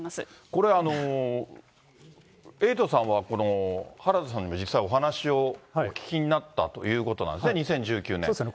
これ、エイトさんは、原田さんに実際お話をお聞きになったということなんですね、そうですね。